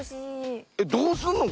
えっどうすんの？